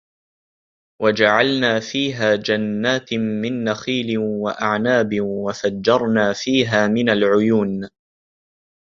وَجَعَلنا فيها جَنّاتٍ مِن نَخيلٍ وَأَعنابٍ وَفَجَّرنا فيها مِنَ العُيونِ